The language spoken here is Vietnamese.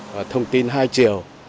và thông tin hai chiều